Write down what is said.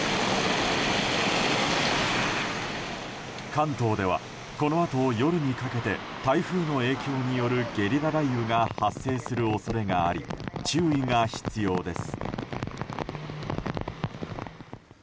関東ではこのあと、夜にかけて台風の影響によるゲリラ雷雨が発生する恐れがあり注意が必要です。